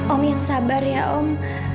om yang sabar ya om